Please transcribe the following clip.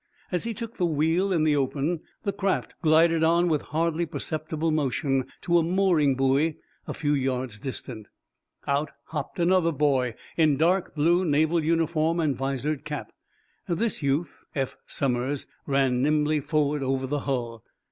As he took the wheel in the open, the craft glided on with hardly perceptible motion to a mooring buoy a few yards distant. Out hopped another boy, in dark blue naval uniform and visored cap. This youth, Eph Somers, ran nimbly forward over the hull.